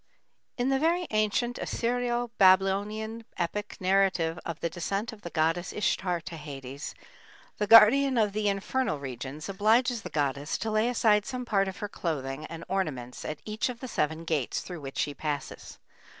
C. In the very ancient Assyrio Babylonian epic narrative of the descent of the goddess Ishtar to Hades, the guardian of the infernal regions obliges the goddess to lay aside some part of her clothing and ornaments at each of the seven gates through which she passes.